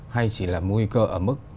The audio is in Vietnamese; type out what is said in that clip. hay chỉ là nguy cơ ở mức